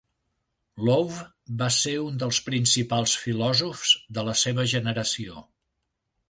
Lowe va ser un dels principals filòsofs de la seva generació.